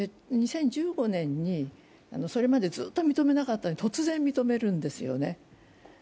２０１５年に、それまでずっと認めなかったのに突然認めるんですよね。